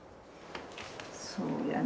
そうやね。